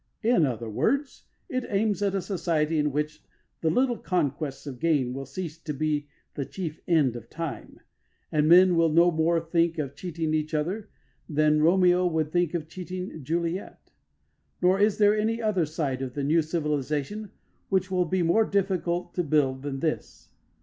In other words, it aims at a society in which the little conquests of gain will cease to be the chief end of time, and men will no more think of cheating each other than Romeo would think of cheating Juliet. Nor is there any other side of the new civilisation which will be more difficult to build than this.